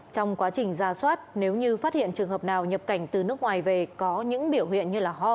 trong quá trình ra soát nếu như phát hiện trường hợp nào nhập cảnh từ nước ngoài về có những biểu hiện như ho